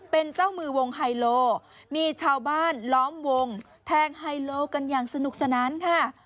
เป็นเจ้ามือวงไฮโลมีชาวบ้านล้อมวงแทงไฮโลกันอย่างสนุกสนานค่ะ